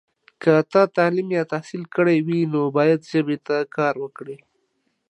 که تا تعلیم یا تحصیل کړی وي، نو باید ژبې ته کار وکړې.